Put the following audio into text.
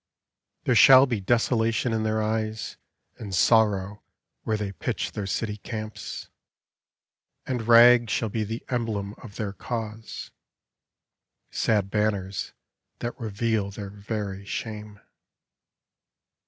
There shall be desolation in their eyes. And sorrow where they pitch their city camps; And rags shall be the emblem of their cause — Sad banners that reveal their very shame.